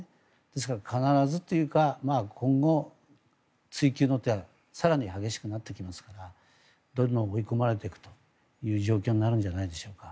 ですから、必ずというか今後、追及の手は更に激しくなってきますからどんどん追い込まれていくという状況になるんじゃないでしょうか。